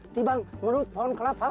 dibanding menuk pohon kelapa